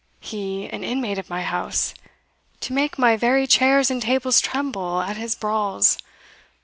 He an inmate of my house! to make my very chairs and tables tremble at his brawls.